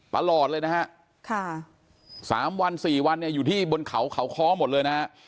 ตลอดเลยนะฮะค่ะสามวันสี่วันเนี่ยอยู่ที่บนเขาเขาค้อหมดเลยนะฮะ